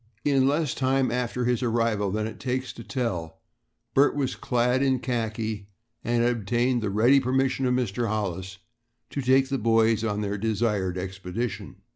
In less time after his arrival than it takes to tell, Bert was clad in khaki and had obtained the ready permission of Mr. Hollis to take the boys on their desired expedition.